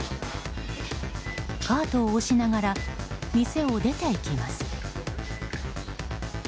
カートを押しながら店を出て行きます。